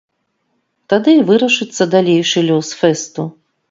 Тады і вырашыцца далейшы лёс фэсту.